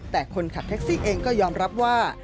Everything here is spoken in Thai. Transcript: แต่คนขับแท็กซี่เองก็ยอมรับว่า